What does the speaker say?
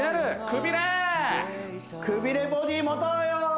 くびれボディ持とうよ！